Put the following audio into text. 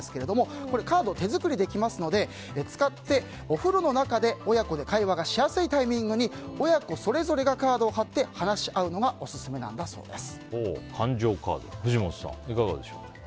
カードを手作りできますので使って、お風呂の中で親子で会話がしやすいタイミングで親子それぞれがカードを貼って話し合うのが感情カード、藤本さん